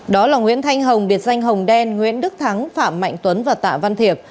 đó là nguyễn thanh hồng biệt danh hồng đen nguyễn đức thắng phạm mạnh tuấn và tạ văn thiệp